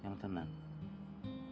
bapak ngapain di sini